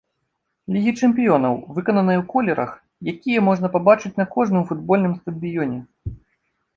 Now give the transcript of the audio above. Лігі чэмпіёнаў, выкананая ў колерах, якія можна пабачыць на кожным футбольным стадыёне.